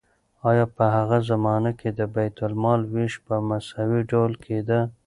آیا په هغه زمانه کې د بیت المال ویش په مساوي ډول کیده؟